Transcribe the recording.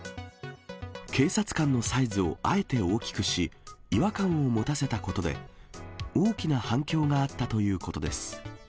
警察官のサイズをあえて大きくし、違和感を持たせたことで、大きな反響があったということです。